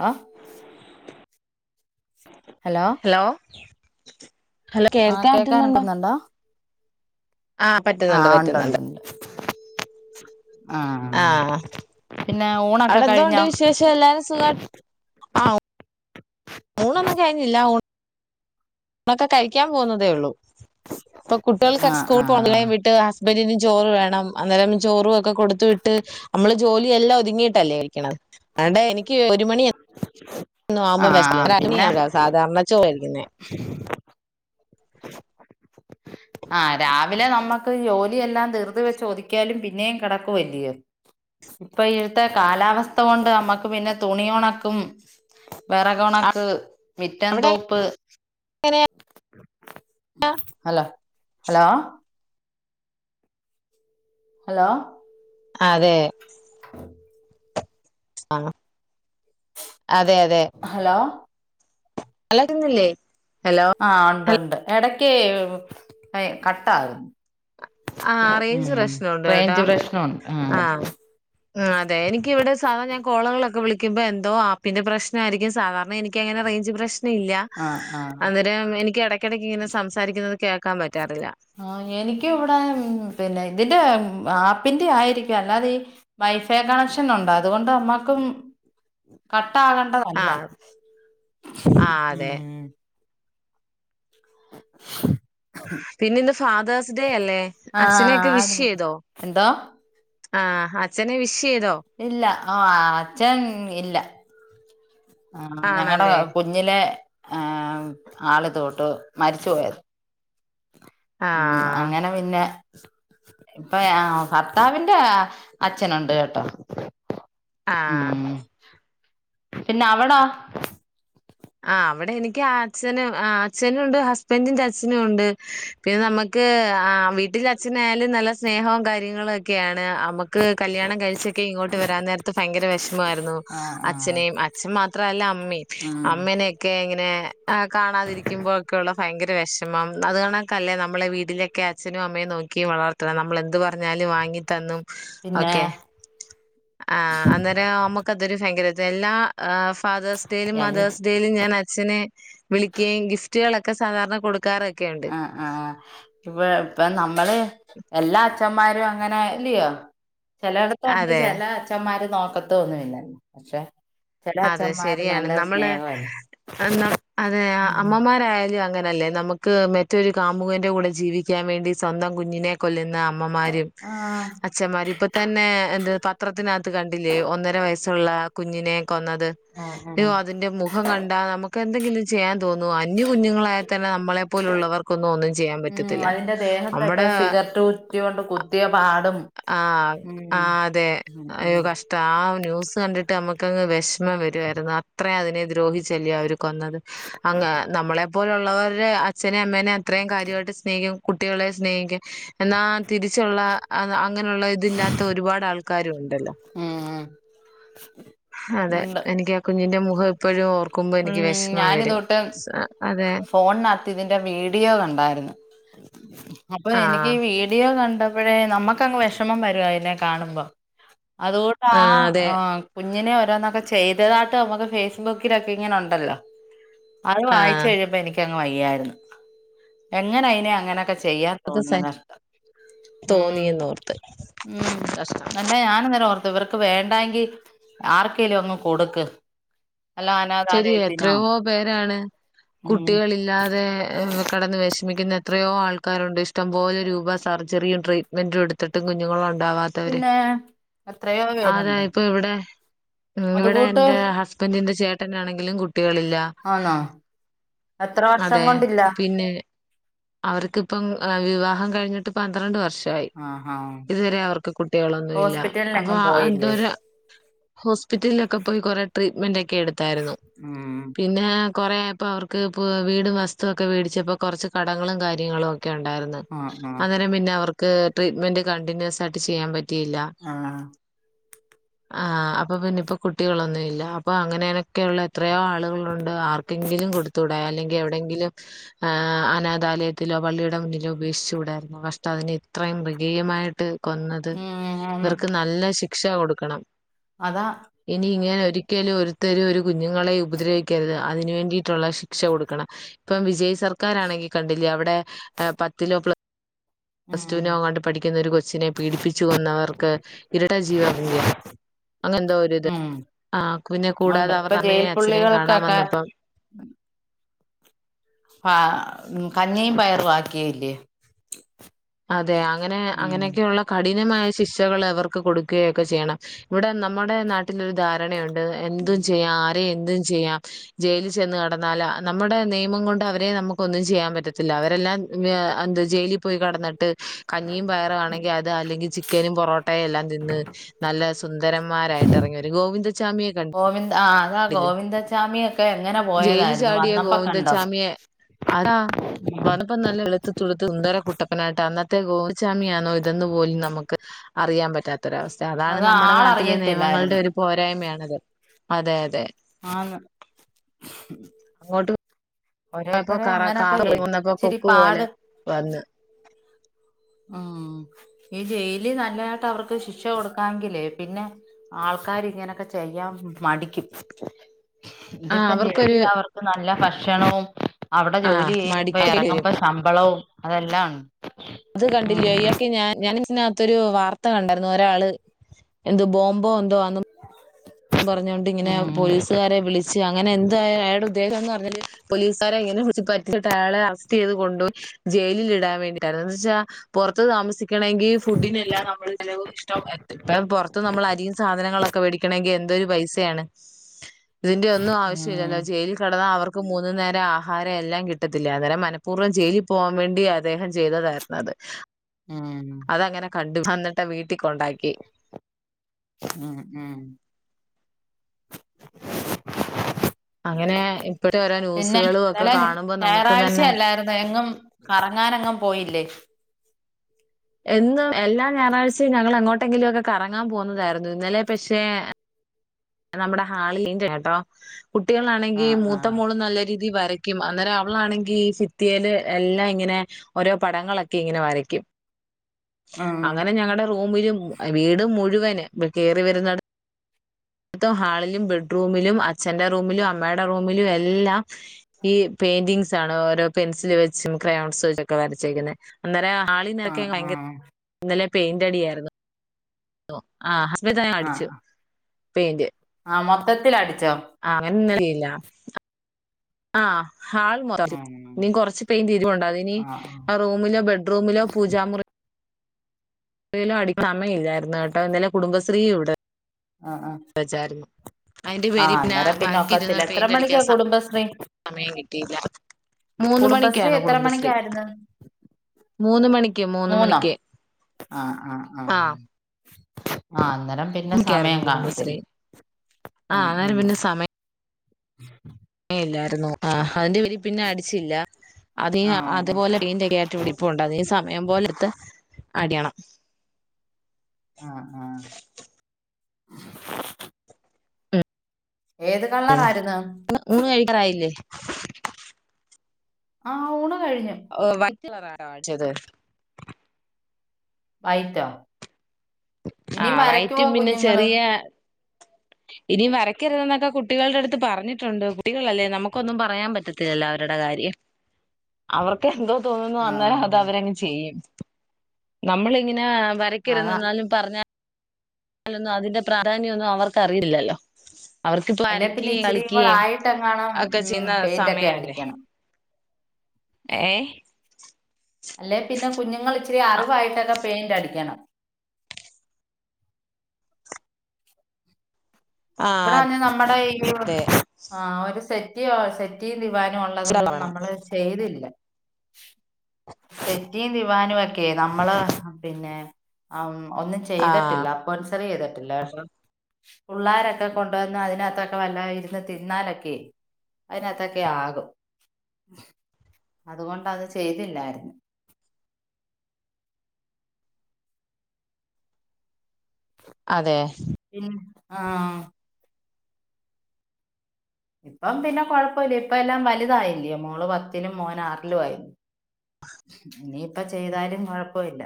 ആ hello hello ആഹ് കേൾക്കാൻ പറ്റുന്നുണ്ടോ? കേക്കാനൊക്കുന്നുണ്ടോ ആഹ് പറ്റുന്നുണ്ട് ആഹ് ഉണ്ട്ണ്ട് പറ്റുന്നുണ്ട് ഉണ്ട്. ആഹ് ഊണൊക്കെ അവിടെ എന്താണ്ട് കഴിഞ്ഞോ വിശേഷം. എല്ലാരും സുഖ ആ ഊണൊന്നും കഴിഞ്ഞില്ല. ഊണ് നിങ്ങളൊക്കെ കഴിക്കാൻ പോകുന്നതേ ഉള്ളൂ. ഇപ്പൊ കുട്ടികൾക്ക് ആഹ് സ്കൂൾ പോണ ആഹ് വിട്ട് ഇപ്പൊ ഇനി ചോറ് വേണം അന്നേരം ചോറ് വെ ഒക്കെ കൊടുത്ത് വിട്ട് നമ്മള് ജോലിയെല്ലാം ഒതുങ്ങിയിട്ടല്ലേ കഴിക്കണ അണ്ട എനിക്ക് ഒരു മണി ഒന്നും ആവുമ്പോ വിശക്കില്ല ആഹ് രണ്ട് പിന്നെ മണിക്ക് സാധാരണ ചോറ് കഴിക്കുന്നേ [inaudible] ആഹ് രാവിലെ നമ്മുക്ക് ജോലിയെല്ലാം ധൃതിവെച്ച് ഒതുക്കിയാലും പിന്നെയും കിടക്കയല്ലിയോ ഇപ്പൊ ഇഴത്തെ കാലാവസ്ഥ കൊണ്ട് നമ്മക്ക് പിന്നെ തുണി ഉണക്കും വിറകുണക്ക് അവിടെ മുറ്റംത്തുപ്പ് എങ്ങനെയാ ഹലോ ഹലോ ഹലോ ആഹ് അതെ [inaudible] ആഹ് അതെ അതെ ഹലോ ഹലോ കേൾക്കുന്നില്ലെ ആഹ് ഉണ്ട് ഉണ്ട് ഇടക്കേ കട്ടാകുന്നു ആഹ് റേയിഞ്ച് ഉം പ്രശ്നണ്ട് കേട്ടാ റേഞ്ച് പ്രശ്നമുണ്ട് ആഹ് അതെ എനിക്ക് ഇവിടെ സാധാ ഞാൻ കോളകൾക്കെ വിളി ക്കുംമ്പം എന്തോ ആപ്പിന്റെ പ്രശ്ന ആയിരിക്കും സാധാരണ എനിക്ക്ങ്ങനെ റേയിഞ്ച് പ്രശ് നം ഇല്ല ആഹ് ആഹ് ഇടക്ക് ഇങ്ങനെ സംസാരിക്കുന്നത് കേൾക്കാൻ പറ്റാറില്ല ആഹ് എനിക്ക് ഇവിടെ ഉം പിന്നെ ഇതിന്റെ ആപ്പിന്റെ ആയിരിക്കും അല്ലാതെ ഈ വൈഫൈ കണക്ഷൻ ഉണ്ട് അതുകൊണ്ട് നമ്മക്കും ക്കും കട്ടാകണ്ടതല്ല ആഹ് ആഹ് അതെ ഉം [inaudible] പിന്നെ ഇന്ത് ഫാദേസ്ഴ്സ് ഡേ അല്ലേ ആഹ് അച്ഛനെക്കെ വിഷ് ആയിരുന്നു ചെയ്തോ എന്തോ ആഹ് അച്ഛനെ വി ഇല്ല ആഅച്ഛൻ ഇല്ല ആ ഞങ്ങളടെ ആണല്ലേ കുഞ്ഞിലെ ആ ആള്തുട്ട് മരിച്ചുപയാരിന് ഉം ആഹ് അങ്ങനെ പിന്നെ ഇപ്പൊ ഭർത്താവിന്റെ അച്ഛനുണ്ട് കേട്ടോ ആഹ് ഉം പിന്നെ അവടോ ആഹ് ഇവിടെ എനിക്ക് അച്ഛനും അച്ഛനുംണ്ട് ഹസ്ബൻറ്റിന്റെ അച്ഛനും ഉണ്ട് പിന്നെ നമ്മുക്ക് ആഹ് വീട്ടിലേ അച്ഛൻ ആയാലും നല്ല സ്നേഹവും കാര്യങ്ങളും ഒക്കെയാണ് നമുക്ക് കല്യണം കഴിച്ചക്കേ ഇങ്ങോട്ട് വരാൻ നേരത്ത് ഭയങ്കര വിഷമായിരുന്നു ആഹ് ആഹ് അച്ഛനെയും അച്ഛൻ മാത്രല്ല അമ്മയും ഉം അമ്മേനൊക്കെ ഇങ്ങനെ ആ കാണാതിരിക്കുമ്പോക്കെയ ഉള്ള ഭയങ്കര വിഷമം അത് കണക്കല്ലേ നമ്മളെ വീട്ടിലൊക്കെ അച്ഛനും അമ്മയും നോ ക്കി വളർത്തണം നമ്മള് എന്ത് പറഞ്ഞാലും വാങ്ങി തന്നും പിന്നെ ഓക്കെ ആഹ് അന്നേരം നമ്മുക്കതൊരു ഭയങ്കര എല്ലാ ഫാദേഴ്സ് ഡേയിലും എ മദേഴ്സ് ഡേയിലും ഞാൻ അച്ഛെനെ വിളിക്കുകയും ഗിഫ്റ്റുകളൊക്കെ സാധാരണ കൊടു ആഹ് ആഹ് ഇ ഇപ്പ നമ്മള് എല്ലാ അച്ച അച്ഛന്മാര അങ്ങനെ അല്ലയോ ചിലയിടത്തുണ്ട് അതെ ചില അച്ഛന്മാര് നോക്കത്തോന്നുംല്ലാ പക്ഷെ ചില അതെ അച്ഛന്മാര് ശരിയാണ് നല്ല നമ്മള് സ്നേഹമല്ലേ അന്ന് അതെ അമ്മമാരായാലും അങ്ങ യല്ലേ നമുക്ക് മറ്റൊരു കാമുകൻന്റെ കൂടെ ജീവിക്കാൻ വേണ്ടി സ്വന്തം കുഞ്ഞിനെ കൊല്ലുന്ന അമ്മമാരും ആ അച്ഛമാര് ഇപ്പൊ തന്നെ എന്ത് പത്രത്തിനകത്ത് കണ്ടില്ലേ ഒന്നര വയസ് ഉള്ള കുഞ്ഞിനെ കൊന്നത് ഉം ഉം അയ്യോ അതിന്റെ മുഖം കണ്ടാ നമുക്ക് എന്തെങ്കിലും ചെയ്യാൻ തോന്നുമോ അന്യ കുഞ്ഞുങ്ങളായൽ തന്നെ നമ്മളെ പോലുള്ളവർക്കൊന്നും ഒന്നും ചെയ്യാൻ ഉം പറ്റത്തില്ല അതിന്റെ ദേഹത്തൊക്കെ നമ്മടെ [unintelligible] കൊണ്ട് കുത്തിയ പാടും ആഹ് ഉം ആഹ് അതെ ഉം ഉം അയ്യോ കഷ്ടം ആ ന്യൂസ് കണ്ടിട്ട് അമ്മക്ക്ങ്ങ് വി വിഷമം വരുവായിരുന്നു അത്രയും അതിനെ ദ്രോഹിച്ചല്ലേ അവര് കൊന്നത് അങ്‌ നമ്മളെ പോലുള്ളവര് അച്ഛനേ അമ്മേനെ അത്രയും കാര്യമായിട്ട് സ്നേഹിക്കും കുട്ടികളെയെ സ്നേഹിക്കും. എന്നാ തിരിച്ചുള്ള അങ്ങനെയുള്ള ഇതില്ലാത്ത ഒരുപാട് ആൾക്കാരു ണ്ടല്ലോ? ആഹ് അതെ എനിക്ക് ആ കുഞ്ഞിന്റെ മുഖം ഇ ഉം. ഞാനിതൊട്ട് സ അതെ ഫോണിനകത്ത് ഇതിന്റെ വീഡിയോ കണ്ടായിരുന്നു. [inaudible] അപ്പൊ എനിക്ക് ആഹ് വീഡിയോ കണ്ടപ്പോഴേ നമ്മുക്കങ്ങ് വെഷമം വരുവ അതിനെ കാണുമ്പോ. അതുകൊണ്ട് ആഹ് അതെ ആ കുഞ്ഞിനെ ഓരോന്നൊക്കെ ചെയ്തതായിട്ട് നമ്മുക്ക് ഫേസ് ബുക്കിലൊക്കെ ഇങ്ങനെ ഉണ്ടല്ലോ അത് വായിച്ച ആഹ് കഴിഞ്ഞമ്പ എനിക്ക വയ്യായിരുന്നു എങ്ങനെ അനെ അങ്ങനെയൊക്കെ ചെയ്യാൻ അത് തോന്നുന്ന് സ കഷ്ടം. ഉം തോന്നിയെന്നോർത്ത് ഉം ഉം കഷ്ടം അല്ല ഞൻ അന്നേരം ഓർ ഇവർക്ക് വേണ്ട എങ്കിൽ ആർക്കേലും അങ്ങ് കൊടുക്ക്. വല്ല ശരിയ അനാഥാലയത്തിനോ എത്രയോ പേരാണ് ഉം കുട്ടികളില്ലാതെ കിടന്ന് വിഷ വിഷമിക്കുന്ന എത്രയോ ആൾക്കാരുണ്ട് ഇഷ്ടംപോലെ രൂപ സർജറിയും ട്രീറ്റ്മെന്റും എടുത്തിട്ടും കുഞ്ഞുങ്ങളു ഉണ്ടാവാത്തവര് പിന്നെ എത്രയോ അതെ പേരുണ്ട് ഇപ്പൊ ഇവിടെ ഇവിടെ അതുകൂട്ട് എന്റെ ഹസ്ബൻഡിന്റെ ചേട്ടനാണെങ്കിലും കുട്ടികളില്ല. ആണോ എത്ര വർഷം അതെ കൊണ്ടില്ല പിന്നെ അവർക്കിപ്പം വിവാഹം കഴിഞ്ഞട്ട് പന്ത്രണ്ട് വർഷം. ആഹ് ആഹ് [unintelligible] ഇതുവരെ അവർക്ക് കുട്ടികൾ ഒന്നും ഇല്ല അപ്പൊ ഹോസ്പിറ്റലിലെങ്ങും പോയില്ലേ എന്തോര ഹോസ്പിറ്റലിലൊക്കെ പോയി കൊറെ ട്രീറ്റ്മെന്റൊക്കെ എടുത്തായിരുന്നു ഉം പിന്നെ കുറയായപ്പോൾ അവർക്ക് ഇ വീടും വസ്തുവും ഒക്കെ മേടിച്ചപ്പോൾ കുറച്ച് കടങ്ങളും കാര്യങ്ങളും ഒ ക്കെ ഉണ്ടായിരുന്നു ആഹ് ആഹ് അന്നേരം പിന്നെ അവർക്ക് ട്രീറ്റ്മെന്റ് കണ്ടിന്യൂസ് ആയിട്ട് ചെയ്യാൻ പറ്റ റ്റിയില്ല. ആഹ് ആഹ അപ്പൊ പിന്നെ ഇപ്പോ കുട്ടികളൊന്നും ഇല്ല അപ്പൊ അങ്ങനെനൊക്കെയള്ള എ എത്രയോ ആളുകളുണ്ട് ആർക്കെങ്കിലും കൊടുത്തൂടെ അല്ലെങ്കി എവിടെങ്കിലും അനാഥാലയത്തിലോ പള്ളിയുടെ മുന്നിലോ ഉപേക്ഷിച്ചു കൂടായിരുന്നൊ കഷ്ടം അതിനെ ഇത്രേം മൃഗീയമായിട്ട്. കൊന്നത് ഉം ഇവർക്ക് നല്ല ശിക്ഷ കൊടുക്കണം അതാ ഇനി ഇങ്ങനെ ഒ ഒരിക്കലും ഒരുത്തരും ഒരു കുഞ്ഞുങ്ങളെ ഉപദ്രവിക്കരുത് അതിന് വേണ്ടിയിട്ടുള്ള ശിക്ഷ കൊടുക്കണം. ഇപ്പം വിജയ് സർക്കർാണെങ്കി കണ്ടില്ലേ അവിടെ പത്തിലോ പ്ല പ്ലസ് ഉം ടുവിനെ അങ്ങാണ്ട് പഠിക്കുന്നൊ ഒരു കൊച്ചിനെ പീഡിപ്പിച്ചു കൊന്നവർക്ക് ഇരട്ട ജീവപര്യന്തം അങ്ങനെ എന്തോ ഒരു ഇത് ഉം ആഹ് പിന്നെ ഉണ്ട് കൂടാതെ ഇപ്പൊ അവരുടെ ജയിൽ അമ്മയയും അച്ഛനേയും കാണാൻ പുള്ളികൾക്കൊക്കെ വന്നപ്പം ആ കഞ്ഞിയും പയറും ആക്കിയില്ലെ. അതെ അങ്ങനെ അങ്ങനെയൊക്കെയുള്ള കഠി മായ ശിക്ഷകൾ അവർക്ക് കൊടുക്കുകയൊക്കെ ചെയ്യണം ഇവിടെ നമ്മുടെ നാട്ടിലൊരു ധാരണയുണ്ട് എന്തും ഉം ചെയ്യാ ആരെയും എ ന്തു ചെയ്യാം ജയിലിൽ ചെന്ന് കെടന്നാൽ നമ്മുടെ നിയമം കൊണ്ട് അവരെ നമുക്കൊന്നും ചെയ്യാൻ പറ്റത്തില്ല അവരെല്ലാം [unintelligible] എന്തുവാ ജയിലിൽ പോയികെടന്നിട്ട് ന്നിട്ട് കഞ്ഞിയും പയറുമാണെങ്കിൽ അത് അല്ലെങ്കിൽ ചിക്കനും പൊറോട്ട എല്ലാം തിന്ന് നല്ല സുന്ദരമാ രായിട്ട് ഇറങ്ങി വരും ഗോവിന്ദചാ മിയെ ക ഗോവിന്ദ ആ അതാ ഗോവിന്ദച്ചാമിയൊക്കെ എങ്ങനെ ജയില് പോയതായിരുന്നു ചാടിയ വന്നപ്പോ കണ്ടോ ഗോവിന്ദച്ചാമിയെ അതാ ഉം ഓനിപ്പം നല്ല വെളുത്ത് തുടുത്ത് സുന്ദര കുട്ടപ്പനായിട്ട അന്നത്തെ ഗോവിചാമിയാണോ ഇതന്ന് പോലും ഉം നമുക്ക് അറിയാൻ പറ്റാത്ത രാവസ്ഥ അതാണ് അത് നമ്മുടെ നാട്ടിലെ ആളറിയത്തില്ലായിരുന്നു നിയമങ്ങളുടെ ഒരു പോരായ്മയാണത് അതെ അതെ ആന്ന് അങ്ങോട്ട് പോയപ്പോ ഒരോരുത്തരെ കറ കാറ് അങ്ങനൊക്കയെ വന്നപ്പോ ഇച്ചിരി കൊക്ക് പോലെ പാട് വന്ന് ഉം ഈ ജയിലി നല്ലതായിട്ട് അവർക്ക് ശിക്ഷ കൊടുക്കാങ്കിലെ പിന്നെ ആൾ ആൾക്കാർ ഇങ്ങനൊക്കെ ചെയ്യാൻ മടിക്കും ആ ഇതിപ്പം അവർക്കൊരു ജയിലിൽ അവർക്ക് നല്ല ഭക്ഷണവും അവിടെ ആ ജോലി ചെയ്യുമ്പോ മടിക്കേണ്ടി വരും ഇറങ്ങുമ്പോ ശമ്പളവും അതെല്ലാ..... അത് കണ്ടില്ലോ ഇയാക്ക ഞാൻ..... കത്തൊരു വാർത്ത കണ്ടായിരുന്നു ഒരാള് എന്ത് ബോംബോഎന്തോ പറഞ്ഞോൊണ്ട് ഇങ്ങനെ ഉം പോലീസുകാരെ വിളിച്ച് അങ്ങനെ എന്തായ അയാുടെ ഉദ്ദേശംന്ന്പറഞ്ഞു പോലീസുകാരെ എങ്ങനെ വിി പറ്റിയിട്ട് അളെ അറസ്റ്റ് ചെയ്ത് കൊണ്ട് പോയി ജയിലിൽിടാൻ വേണ്ടിയിട്ടായിരുന്നു എ വെച്ചാ....... പുറത്ത ത...... ഫുഡിനെല്ലാം നമ്മൾ ചില ഇഷ്ടം ഇപ്പം പുറത്ത് നമ്മൾ അരിയും സാധനങ്ങളൊക്കെ വേടിക്കണമെങ്കിൽ,..... ഇതരു പൈസയാണ് ഇതിന്റെ ഒന്നും ആവശ്യ ഇില്ലല്ലോ ഉം ജയിലിൽ കടന്നാ....... മൂന്നു നേരം ആഹാരം എല്ലാം കിട്ടത്തില്ല അന്നേരം മനഃപൂർവ്വം ജയിലിൽ പോകാൻ വേണ്ടി അദ്ദേഹം ചെയ്തതായിര അത്....... ആ..... [unintelligible] ഉം ഉം....... അങ്ങനെ ഇപ്പോഴത്തെ ഓരോ പിന്നെ ന്യൂസുകളും നില ഒക്കെ കാണുമ്പോ നമുക്ക് തന്നെ ഞായറാഴ്ചയല്ലായിരുന്നു എങ്ങും...... അങ്ങാനങ്ങങ് പോയില്ലേ..... എന്നും എല്ലാ ഞായറാഴ്ചയും ഞങ്ങൾ അങ്ങോട്ടെങ്കിലും ഒക്കെ കറങ്ങാൻ പോുന്നതായിരുന്നു ഇന്നലെ പക്ഷെ.....? നമ്മുടെ ഹാളിന്റെ കേട്ടോ കുട്ടികളാണെങ്കിൽ ആഹ് മൂത്ത ആഹ് മോളും നല്ല..... വരയ്ക്കും അന്നേരം അവളാണെങ്കിൽ ഈ ഫിത്തിയൽ എല്ലാം ഇങ്ങനെ ഓരോ പടങ്ങളൊക്കെ ഇങ്ങനെ വരയ്ക്കും..... ഉം അങ്ങനെ ഞങ്ങളുടെ റൂമിലും വീടും മുഴുവന് കേറി വരുന്നത് ത്തം ഹാളിലും ബെഡ്റൂമിലും അച്ഛന്റെ റൂമിലും അമ്മയുടെ റൂമിലും എല്ലാം ഈ പെയിന്റിംഗ്സ് ആണോ ഓരോ പെൻസിൽ വെച്ചും ക്രയോൺസ് വെക്കെ വരച്ചേക്കുന്ന ന്നരാ ആഹ് ആഹ് ന്നലെ പെയിന്റ്ടി ആര്ന്നു ന്നു ആഹ് ഹസ്ബൻ്റ്റ് ആയ അടിച്ചു. ആഹ് പെയിന്റ് ആഹ് മൊത്തത്തിൽ അടിച്ചോ ആങ്ങന്നറിയില്ല ആഹ് ഹാൾ [unintelligible] ഉം നി കൊറച് പെയിന്റ് ഇരിപ്പുണ്ട് അതി ഇനി ആഹ് ആഹ് ആ റൂമിലോ ബെഡ്റൂമിലോ പൂജാമുറി. എലും അടി സമയം ഇല്ലായിരുന്നു കേട്ടോ ഇന്നലെ കുടുംബശ്രീ ഇവിടെ ആഹ് ആഹ് വച്ചായിരുന്നു. അയ്ന്റെ ആ പേര് പിന്നെ അന്നേരം ബാക്കി ഇരുന്ന ഒക്കത്തില്ല എത്ര പെയിന്റ് മണിക്കാ അടിക്കാൻ സ കുടുംബശ്രീ സമയം കിട്ടിയില്ല മൂന്ന് കുടുംബശ്രീ മണിക്കാണ് എത്ര കുടുംബശ്രീ മണിക്കായിരുന്നു മൂന്ന്മണി ക്ക് മൂന്ന് മൂന്നോ മണിക്ക് ആ ആഹ് ആന്നേരം പിന്നെ സമയം കാണത്തില്ല കുടുംബശ്രീ ആ ഉം അന്നേരം ഉം പിന്നെ സമയം ചില്ല ആ അതുപോലെ [unintelligible] സമയം പോലെത്ത് അട്യണം അഹ് ആഹ് ഉം അന്റെ ഊണ് കഴിക്കാറായില്ലേ ആഹ് ഊണ് കഴിഞ്ഞു ഓഹ് വൈറ്റ് കളറാ [unintelligible] അടിച്ചത് വൈറ്റോ ആ ഇനി വരക്ക്വാ വൈറ്റും കുഞ്ഞുങ്ങള്. ഇനിയും വരയ്ക്കെരുതെന്നൊക്കെ കുട്ടികള്ടെ എടുത്ത് പറഞ്ഞിട്ടുണ്ട് കുട്ടികളെല്ലേ നമുക്കൊന്നും പറയാൻ പറ്റത്തില്ലോ അവരുടെ കാ കാര്യം അവർക്കെ എന്തോ തോന്നുന്നു. ആ അന്നേരം അത് അവരങ്ങ് ചെയ്യും. നമ്മളിങ്ങനെ വരക്കരുതെന്ന് അതാ പറഞ്ഞാലു ലൊന്നും അതിന്റെ പ്രാധാന്യ ഒന്നും അവർക്ക്റിയില്ലല്ലോ അവർക്കിപ്പോ അല്ലെ പിന്നെ അരക്ക്യെയും ഇച്ചിരിയും കൂടെ കളിക്ക്യെയും ആയിട്ടെങ്ങാണം അ ഒക്കെ ചെയ്യുന്ന പെയിന്റ് ഒക്കെ സമയല്ലേ അടിക്കണം ഏ അല്ലെ പിന്നെ കുഞ്ഞുങ്ങൾ ഇച്ചിരി അറിവായിട്ടൊക്കെ പെയിന്റ് അടിക്കണം. ആ ഇവിടാണ് നമ്മടെ ഈ അതെ ആഹ് ഒരു സെറ്റ് [unintelligible] [unintelligible] വാനും ഉള്ളതൊന്നും വേണം നമ്മള് ചെയ്തില്ല. തെറ്റിയും ദിവാനു ഒക്കെ നമ്മള് പിന്നെ ആ ഉം. ഒന്നും ആ ചെയ്ത്ട്ടില്ല. അപ്പോൻസറി ചെയ്തിട്ട്ല്ല കെട്ടോ. പുള്ളാരൊ കൊണ്ടുവന്ന് അതിനകത്തൊക്കെ വല്ല ഇരുന്ന് തിന്നാലൊക്കെ അയ്നകത്തൊക്കെ ആകും. അതുകൊണ്ടാത് ചെയ്തില്ലായിര്ന്നു. അതെ പിൻ ആഹ് ഇപ്പം പിന്നെ കൊഴപ്പൊല്ല. ഇപ്പ എല്ലാം വലുതായില്യാെ. മോള് പത്തിലും മോന് ആറ്ലും ആയി. ഇനിയിപ്പ ചെയ്താലും കൊഴപ്പോല്ല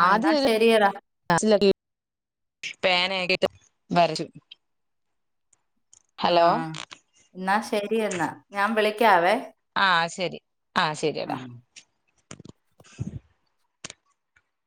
ആ എന്നാ ആദ്യാ ശരിയടാ [unintelligible] പേനയൊക്കെ വ [unintelligible] ആഹ് എന്നാ ശെരി എന്നാ ഞാൻ വിളിക്കാവേ ആഹ് ശെരി ആഹ് ശെരിടാ ആ